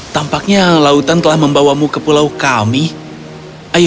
tampaknya lautan telah membawamu ke pulau kami ayo